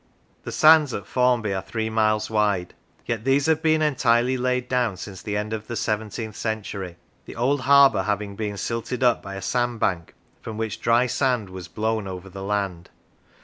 The sands at Formby are three miles wide; yet these have been entirely laid down since the end of the seventeenth century; the old harbour having been silted up by a sandbank, from which dry sand was blown over the land.